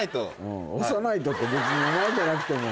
「押さないと」って。